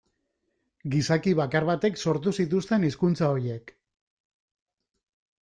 Gizaki bakar batek sortu zituzten hizkuntza horiek.